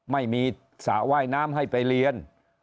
ไม่มีสระว่ายน้ำให้ไปเรียน